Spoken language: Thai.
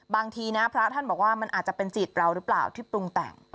บางทีนะพระท่านบอกว่ามันอาจจะเป็นจิตเราหรือเปล่าที่ปรุงแต่ง